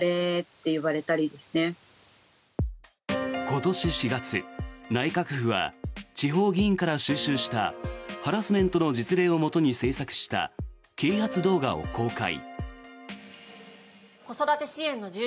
今年４月、内閣府は地方議員から収集したハラスメントの実例をもとに制作した啓発動画を公開。